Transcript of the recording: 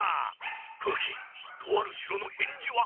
風鬼とある城の返事は？